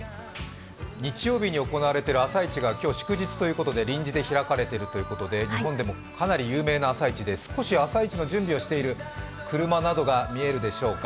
日曜日に行われている朝市が今日、祝日ということで臨時で開かれているということで日本でもかなり有名な朝市で少し朝市の準備をしている車などが見えるでしょうか。